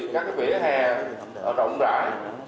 các vỉa hè rộng rãi